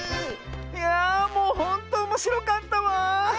やもうほんとおもしろかったわ！